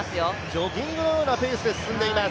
ジョギングのようなペースで進んでいます。